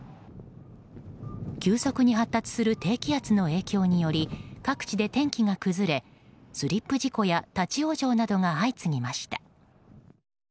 急速に発達する低気圧の影響により各地で天気が崩れスリップ事故や立往生などが相次ぎました。